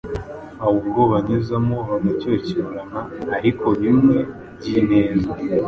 Haba ubwo banyuzamo bagacyocyorana ariko bimwe by’ineza,